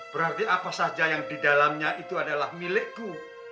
berarti apa saja yang didalamnya itu adalah milikku